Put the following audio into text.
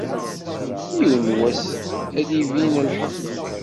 Yiwen n wass ad d-ibin lḥeqq.